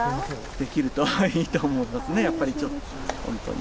できるといいと思いますね、やっぱりね、本当に。